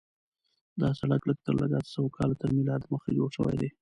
دا سړک لږ تر لږه اته سوه کاله تر میلاد دمخه جوړ شوی دی.